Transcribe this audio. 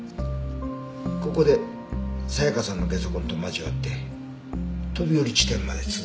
ここで沙也加さんのゲソ痕と交わって飛び降り地点まで続いてる。